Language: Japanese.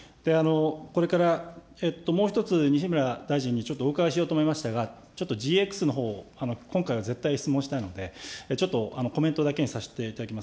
これからもう一つ、西村大臣にちょっとお伺いしようと思いましたが、ちょっとＧＸのほう、今回は絶対質問したいので、ちょっとコメントだけにさせていただきます。